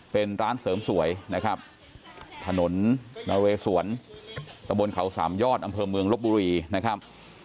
เป็นร้านเสริมสวยนะครับถนนนาเรสวนตะบนเขาสามยอดอำเภอเมืองลบบุรีนะครับ